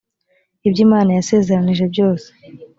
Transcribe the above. ibyo imana yasezeranije byose